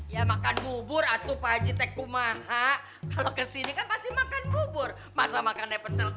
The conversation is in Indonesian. ya makan bubur atau pak haji teku maha kalau kesini kan pasti makan bubur masa makan pecel